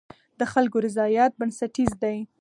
د خلکو رضایت بنسټیز دی.